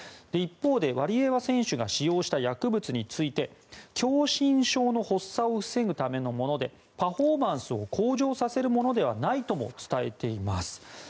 一方でワリエワ選手が使用した薬物について狭心症の発作を防ぐためのものでパフォーマンスを向上させるものではないとも伝えています。